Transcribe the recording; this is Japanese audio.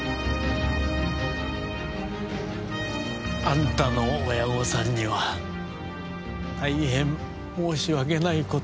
あんたの親御さんには大変申し訳ない事をした。